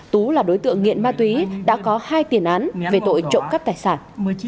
tú là đối tượng nghiện ma túy đã có hai tiền án về tội trộm cắp tài sản